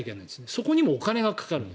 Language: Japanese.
そこにもお金がかかる。